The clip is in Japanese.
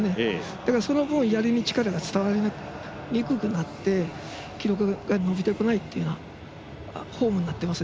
だから、その分やりに力が伝わりにくくなって記録が伸びてこないというフォームになっています。